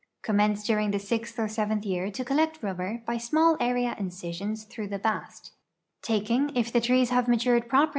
Commence during the sixth or seventh year to collect rubber by small area incisions through the bast, taking, if the trees have matured proper!